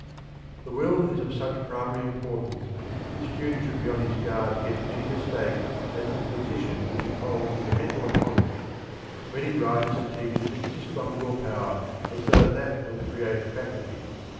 The Will is of such primary importance that the student should be on his guard against any mistake as to the position which it holds in the mental economy. Many writers and teachers insist on will power as though that were the creative faculty.